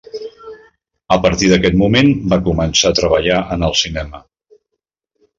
A partir d'aquest moment, va començar a treballar en el cinema.